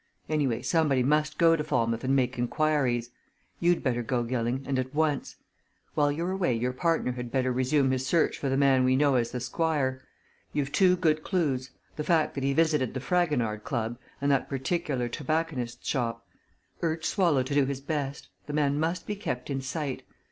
Anyway, somebody must go to Falmouth and make inquiries. You'd better go, Gilling, and at once. While you're away your partner had better resume his search for the man we know as the Squire. You've two good clues the fact that he visited the Fragonard Club and that particular tobacconist's shop. Urge Swallow to do his best the man must be kept in sight.